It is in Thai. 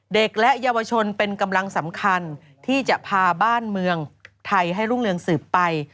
เด็กและเยาวชนเป็นกำลังสำคัญที่จะพาบ้านเมืองไทยให้รุ่งเรืองสืบไป